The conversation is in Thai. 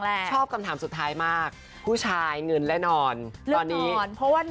เลือกอะไรดิเลือกนอนเลือกนอน